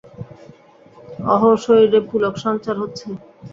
অহো, শরীরে পুলক সঞ্চার হচ্ছে!